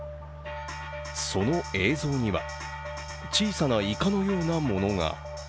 その映像には小さな、いかのようなものが。